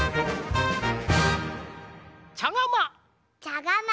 ちゃがま。